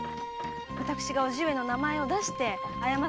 私が叔父上の名前を出して謝ってさし上げますから。